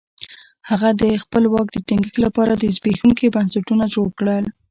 هغه د خپل واک د ټینګښت لپاره زبېښونکي بنسټونه جوړ کړل.